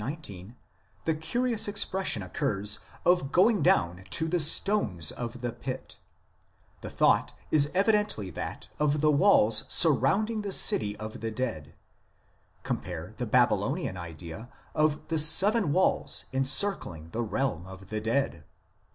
19 the curious expression occurs of going down to " the stones of the Pit "; the thought is evidently that of the walls surrounding the city of the dead (cp. the Baby lonian idea of the seven walls encircling the realm of the dead).